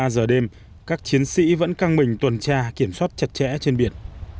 hai mươi ba giờ đêm các chiến sĩ vẫn căng mình tuần tra kiểm soát chặt chẽ trên biển